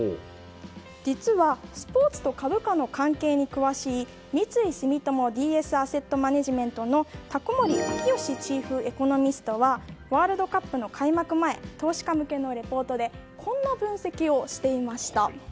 実は、スポーツと株価の関係に詳しい三井住友ＤＳアセットマネジメント宅森昭吉チーフエコノミストはワールドカップの開幕前投資家向けのレポートでこんな分析をしていました。